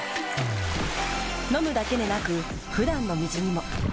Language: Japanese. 飲むだけでなく普段の水にも。